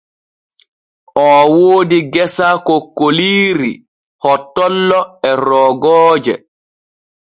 Oo woodi gesa kokkoliiri, hottollo e roogooje.